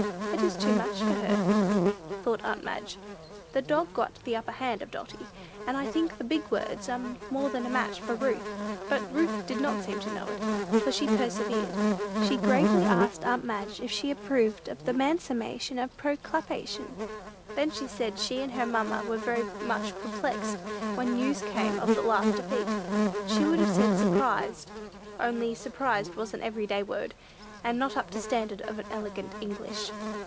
"It is too much for her," thought aunt Madge: "the dog got the upper hand of Dotty, and I think the big words are more than a match for Ruth." But Ruth did not seem to know it, for she persevered. She gravely asked aunt Madge if she approved of the "Mancimation of Proclapation." Then she said she and her mamma were very much "perplexed" when news came of the last defeat. She would have said "surprised" only surprised was an every day word, and not up to standard of elegant English.